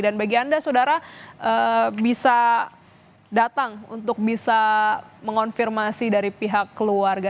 dan bagi anda saudara bisa datang untuk bisa mengonfirmasi dari pihak keluarga